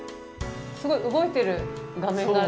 すごい動いてる画面がある。